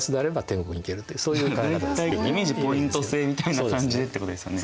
イメージポイント制みたいな感じでってことですよね。